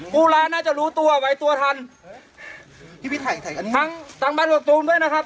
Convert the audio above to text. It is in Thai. ผู้ร้ายน่าจะรู้ตัวไว้ตัวทันพี่ไทยถ่ายอันนี้ทั้งทางบ้านกกตูมด้วยนะครับ